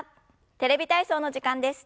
「テレビ体操」の時間です。